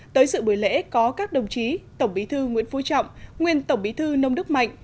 tới sự buổi lễ có các đồng chí tổng bí thư nguyễn phú trọng nguyên tổng bí thư nông đức mạnh